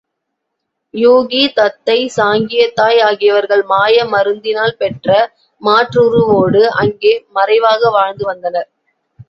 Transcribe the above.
யூகி, தத்தை, சாங்கியத் தாய் ஆகியவர்கள் மாய மருந்தினால் பெற்ற மாற்றுருவோடு அங்கே மறைவாக வாழ்ந்து வந்தனர்.